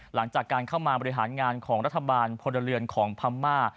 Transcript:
หลังจากการเข้ามาบริหารงานของรัฐบาลพลเรือนของพม่า